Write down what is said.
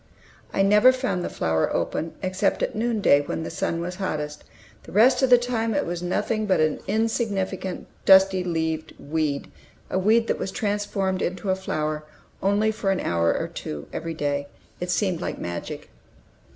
I never found the flower open except at noonday, when the sun was hottest. The rest of the time it was nothing but an insignificant, dusty leaved weed, a weed that was transformed into a flower only for an hour or two every day. It seemed like magic.